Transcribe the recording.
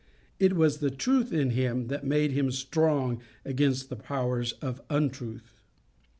It was the truth in him that made him strong against the powers of untruth.